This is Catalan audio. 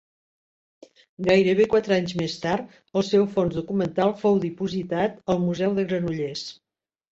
Gairebé quatre anys més tard, el seu fons documental fou dipositat al Museu de Granollers.